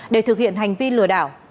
để thực hiện hành vi lừa đảo